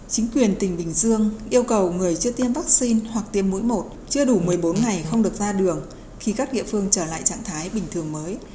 chính quyền tỉnh bình dương yêu cầu người chưa tiêm vaccine hoặc tiêm mũi một chưa đủ một mươi bốn ngày không được ra đường khi các địa phương trở lại trạng thái bình thường mới